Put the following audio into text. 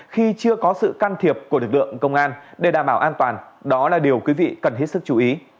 khi chưa có sự can thiệp của lực lượng công an để đảm bảo an toàn đó là điều quý vị cần hết sức chú ý